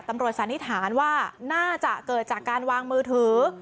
สันนิษฐานว่าน่าจะเกิดจากการวางมือถือ